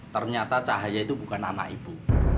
ternyata cahaya itu bukan anak ibu